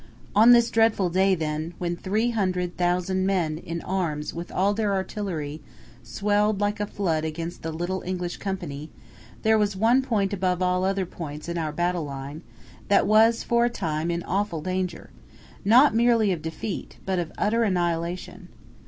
On this dreadful day, then, when three hundred thousand men in arms with all their artillery swelled like a flood against the little English company, there was one point above all other points in our battle line that was for a time in awful danger, not merely of defeat, but of utter annihilation.